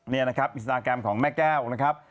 นี่นะครับอินสตาแกรมของแม่แก้วนะครับ